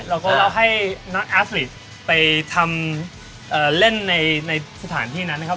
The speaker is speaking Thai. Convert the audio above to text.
แล้วก็เราให้นักอาธิตไปเล่นในสถานที่นั้นนะครับ